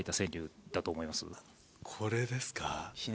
これですか？